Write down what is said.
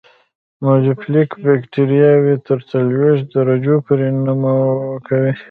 میزوفیلیک بکټریاوې تر څلوېښت درجو پورې نمو کوي.